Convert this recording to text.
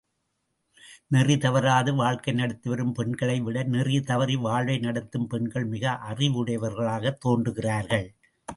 நெறி தவறாது வாழ்க்கை நடத்திவரும் பெண்களைவிட, நெறி தவறி வாழ்வை நடத்தும் பெண்கள் மிக அறிவுடையவர்களாகத் தோன்றுகிறார்கள்.